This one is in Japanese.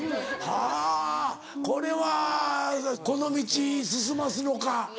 はぁこれはこの道進ますのか。